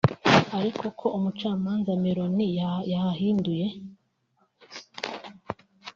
ariko ko Umucamanza Meron yayahinduye